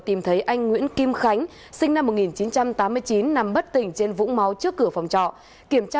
tìm thấy anh nguyễn kim khánh sinh năm một nghìn chín trăm tám mươi chín nằm bất tỉnh trên vũng máu trước cửa phòng trọ kiểm